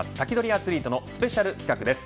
アツリートのスペシャル企画です。